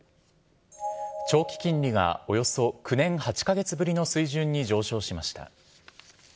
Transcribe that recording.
長期金利がおよそ９年８か月ぶりの水準に上昇しました。